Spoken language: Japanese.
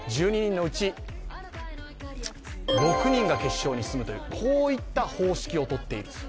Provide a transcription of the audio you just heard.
１２人のうち６人が決勝に進むといった方式をとっている。